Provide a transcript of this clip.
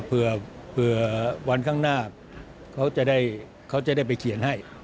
เผื่อวันข้างหน้าเขาจะได้ไปเขียนให้